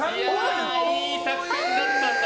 いい作戦だったんだ。